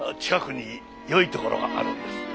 近くによいところがあるんです。